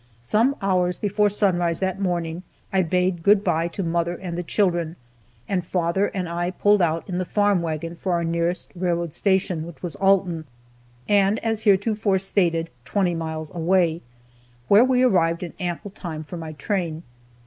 Some hours before sunrise that morning, I bade good by to mother and the children, and father and I pulled out in the farm wagon for our nearest railroad station, which was Alton, and, as heretofore stated, twenty miles away, where we arrived in ample time for my train.